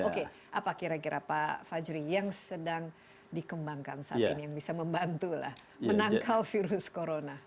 oke apa kira kira pak fajri yang sedang dikembangkan saat ini yang bisa membantu lah menangkal virus corona